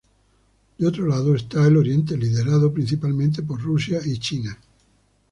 Por otro lado está el oriente liderado principalmente por Rusia y China.